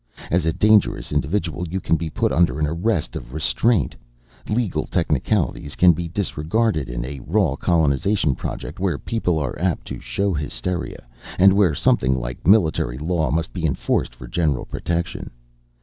As a dangerous individual, you can be put under an arrest of restraint. Legal technicalities can be disregarded in a raw colonization project where people are apt to show hysteria, and where something like military law must be enforced for general protection.